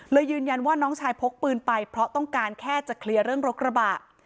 ยืนยันว่าน้องชายพกปืนไปเพราะต้องการแค่จะเคลียร์เรื่องรถกระบะ